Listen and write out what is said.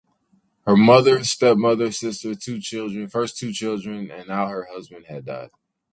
Her mother, step mother, sister, first two children and now her husband had died.